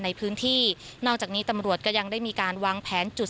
ในพื้นที่นอกจากนี้ตำรวจก็ยังได้มีการวางแผนจุด